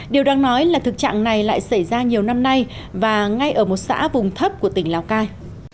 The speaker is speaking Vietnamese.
điều đáng nói là thực trạng này lại xảy ra nhiều năm nay và ngay ở một xã vùng thấp của tỉnh lào cai